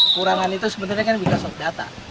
kurangan itu sebenarnya kan because of data